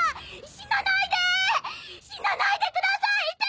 死なないでください天元さま！